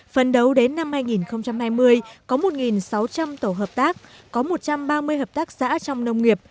phần đầu đến năm hai nghìn hai mươi có một sáu trăm linh tổ hợp tác có một trăm ba mươi hợp tác xã trong nông nghiệp